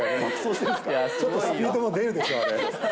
ちょっとスピードも出るでしょ。